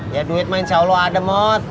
ya duit mah insya allah ada mot